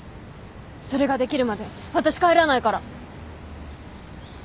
それができるまで私帰らないから！